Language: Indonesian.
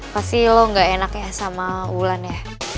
pasti lo gak enak ya sama wulan ya